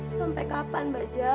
sampai kapan bajak